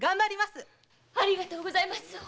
ありがとうございます！